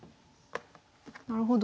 なるほど。